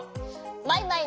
「マイマイの」。